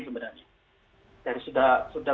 sebenarnya dari sudah